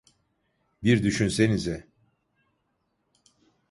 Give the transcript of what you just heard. Bir düşünsenize.